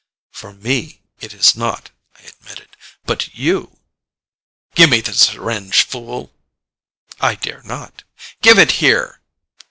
"For me it is not," I admitted. "But you " "Give me the syringe, fool!" "I dare not." "Give it here!"